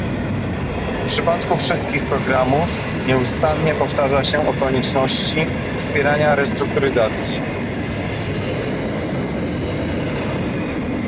W przypadku wszystkich programów nieustannie powtarza się o konieczności wspierania restrukturyzacji